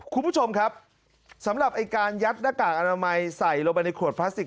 คุณผู้ชมครับสำหรับไอ้การยัดหน้ากากอนามัยใส่ลงไปในขวดพลาสติก